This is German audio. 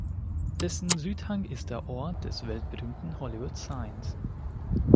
Dessen Südhang ist der Ort des weltberühmten Hollywood Signs.